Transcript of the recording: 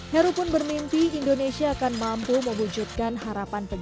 heru pun bermimpi indonesia akan mampu mewujudkan harapan